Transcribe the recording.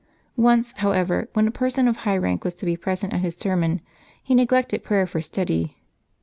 Once, however, when a person of high rank was to be present at his sermon he neglected prayer for study.